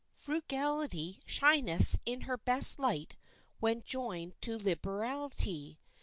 Frugality shineth in her best light when joined to liberality.